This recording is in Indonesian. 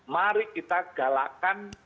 mari kita galakan